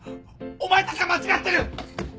お前たちは間違ってる！